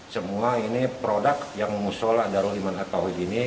semua ini produk yang musola darul imanat pahuy ini